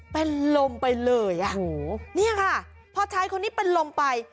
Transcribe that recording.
เป็นลมไปเลยอ่ะโอ้โหเนี่ยค่ะพอชายคนนี้เป็นลมไป